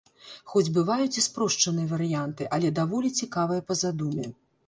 Хоць бываюць і спрошчаныя варыянты, але даволі цікавыя па задуме.